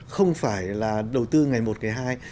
không phải là đầu tư ngày một ngày hai